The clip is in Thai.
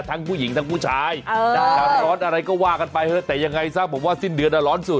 ทั้งผู้หญิงทั้งผู้ชายจะร้อนอะไรก็ว่ากันไปเถอะแต่ยังไงซะผมว่าสิ้นเดือนร้อนสุด